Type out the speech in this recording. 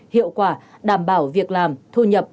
hiệu quả đảm bảo việc làm thu nhập